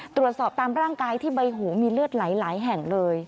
ตรวจสอบตามร่างกายที่ใบหูมีเลือดหลายแห่งเลย